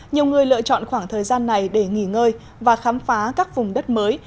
nhiều người lựa chọn khoảng thời gian này để nghỉ ngơi và khám phá các vùng đất mới